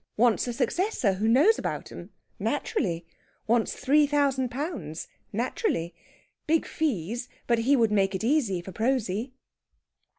Wants a successor who knows about 'em. Naturally. Wants three thousand pounds. Naturally. Big fees! But he would make it easy for Prosy."